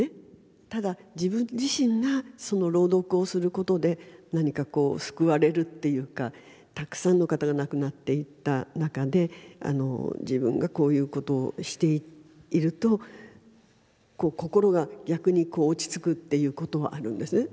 ただ自分自身がその朗読をすることで何かこう救われるっていうかたくさんの方が亡くなっていった中で自分がこういうことをしていると心が逆に落ち着くっていうことはあるんですね。